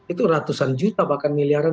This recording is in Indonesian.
itu ratusan juta bahkan miliaran